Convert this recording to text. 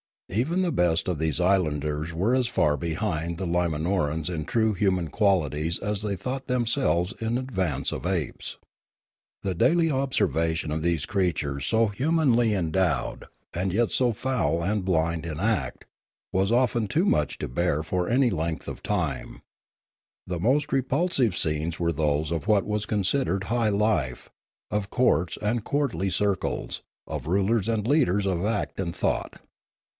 Even the best of these islanders were as far behind the I,ima norans in true human qualities as they thought them selves in advance of apes. The daily observation of these creatures so humanly endowed and yet so foul and blind in act was often too much to bear for any length of time; the most repulsive* scenes were those of what was considered high life, of courts and courtly circles, of rulers and leaders of act and thought.